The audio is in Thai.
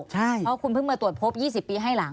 เพราะคุณเพิ่งมาตรวจพบ๒๐ปีให้หลัง